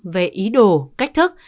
về ý đồ cách thức